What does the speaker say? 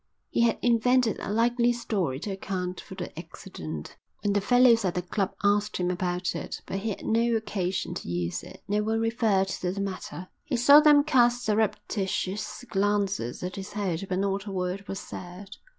He had invented a likely story to account for the accident when the fellows at the club asked him about it, but he had no occasion to use it. No one referred to the matter. He saw them cast surreptitious glances at his head, but not a word was said.